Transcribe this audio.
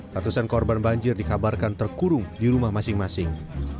ratusan korban banjir dikabarkan terkurung di rumah masing masing